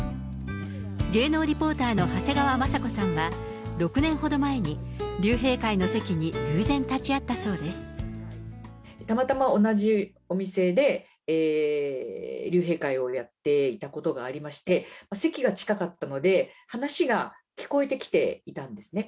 芸能リポーターの長谷川まさ子さんは、６年ほど前に、竜兵会の席に偶然、たまたま同じお店で、竜兵会をやっていたことがありまして、席が近かったので、話が聞こえてきていたんですね。